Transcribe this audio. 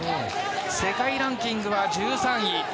世界ランキングは１３位。